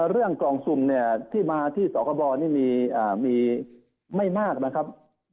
เรื่องกล่องสุ่มเนี่ยที่มาที่สคบนี่มีไม่มากนะครับ